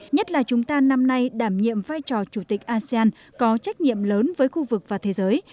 nhất là chúng ta năm nay đảm nhiệm vai trò chủ tịch asean có trách nhiệm lớn với khu vực và thế giới